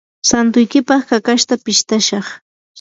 santuykipaq kakashta pistashaq.